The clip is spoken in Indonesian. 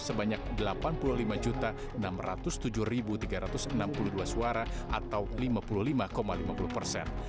sebanyak delapan puluh lima enam ratus tujuh tiga ratus enam puluh dua suara atau lima puluh lima lima puluh persen